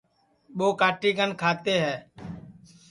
ٻو کاٹی کن کھاتے تیے